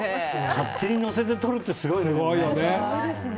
勝手に乗せて撮るってすごいね。